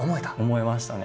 思えましたね